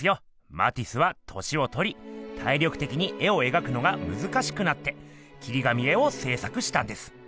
マティスは年をとり体力てきに絵を描くのがむずかしくなって切り紙絵をせい作したんです。